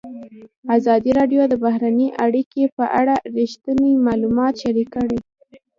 ازادي راډیو د بهرنۍ اړیکې په اړه رښتیني معلومات شریک کړي.